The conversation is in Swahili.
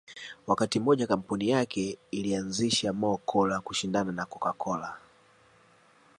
Wakati mmoja kampuni yake ilianzisha Mo Cola kushindana na Coca Cola